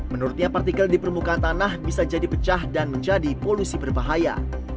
menurutnya partikel di permukaan tanah bisa jadi pecah dan menjadi polusi berbahaya